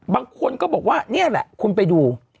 บางคนก็บอกว่านี่แหละคุณไปดู